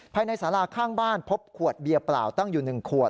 ภายในสาราข้างบ้านพบขวดเบียร์เปล่าตั้งอยู่๑ขวด